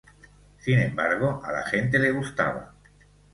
Sin embargo, a la gente le gustaba.